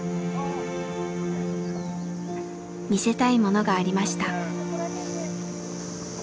見せたいものがありました。